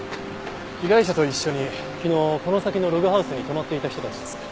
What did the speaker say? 被害者と一緒に昨日この先のログハウスに泊まっていた人たちです。